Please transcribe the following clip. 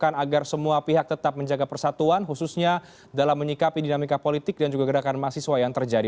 agar semua pihak tetap menjaga persatuan khususnya dalam menyikapi dinamika politik dan juga gerakan mahasiswa yang terjadi